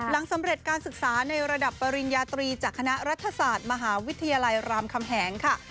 สำเร็จการศึกษาในระดับปริญญาตรีจากคณะรัฐศาสตร์มหาวิทยาลัยรามคำแหงค่ะ